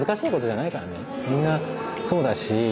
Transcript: みんなそうだしあ